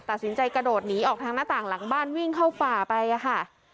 ตัดสินใจกระโดดหนีออกทางหน้าต่างหลังบ้านวิ่งเข้าป่าไปค่ะ